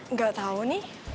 nggak tau nih